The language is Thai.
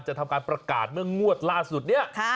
ทำการประกาศเมื่องวดล่าสุดเนี่ย